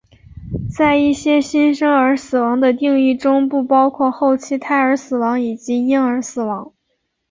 在一些新生儿死亡的定义中不包括后期胎儿死亡以及婴儿死亡。